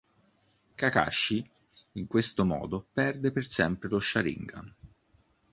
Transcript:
Kakashi in questo modo perde per sempre lo sharingan.